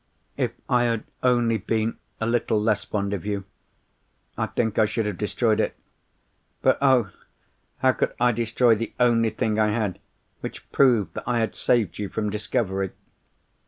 "If I had only been a little less fond of you, I think I should have destroyed it. But oh! how could I destroy the only thing I had which proved that I had saved you from discovery?